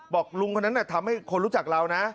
บอกลุงคนนั้นทำให้คนรู้จักเรานะ